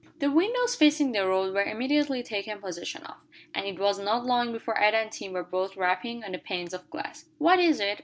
The windows facing the road were immediately taken possession of, and it was not long before Ada and Tim were both rapping on the panes of glass. "What is it?"